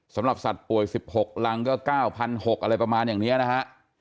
สำหรับสัตว์ป่วย๑๖รังก็๙๖๐๐อะไรประมาณอย่างนี้นะฮะ